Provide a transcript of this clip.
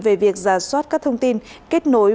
về việc giả soát các thông tin kết nối